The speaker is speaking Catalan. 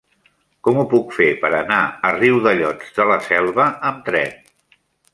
Com ho puc fer per anar a Riudellots de la Selva amb tren?